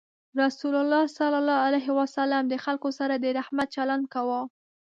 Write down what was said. رسول الله صلى الله عليه وسلم د خلکو سره د رحمت چلند کاوه.